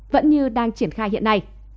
vẫn như đang triển khai hiện nay